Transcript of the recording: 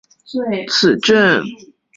耶涯大坝则位在此镇。